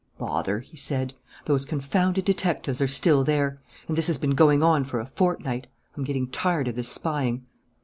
"Bother!" he said. "Those confounded detectives are still there. And this has been going on for a fortnight. I'm getting tired of this spying."